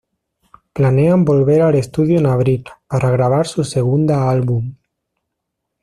Planean volver al estudio en abril para grabar su segunda album.